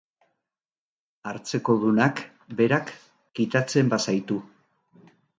Hartzekodunak berak kitatzen bazaitu.